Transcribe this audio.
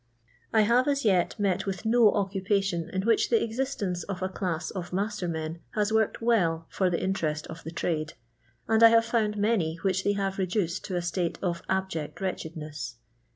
I have ss yet met with no occupation in which the cxist 'acf I of achns of master men ha. * worked well for :he;n I tere^t ol the trade, and I have foursd m.>.iiy whica I they have reduced ti» a stiUe of abject wrrtched ; iies.